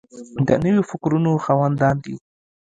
د نویو فکرونو خاوندان دي.